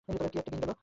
কী একটা দিন গেল!